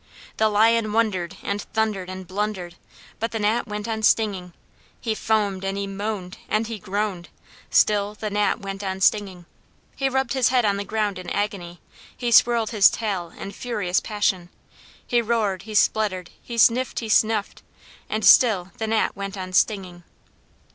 The Lion wondered, and thundered, and blundered but the Gnat went on stinging; he foamed, and he moaned, and he groaned still the Gnat went on stinging; he rubbed his head on the ground in agony, he swirled his tail in furious passion, he roared, he spluttered, he sniffed, he snuffed and still the Gnat went on stinging.